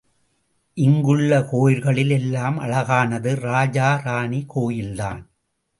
இங்குள்ள கோயில்களில் எல்லாம் அழகானது ராஜா ராணி கோயில்தான்.